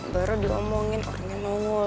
aduh baru diceritain orangnya nongol